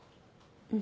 うん。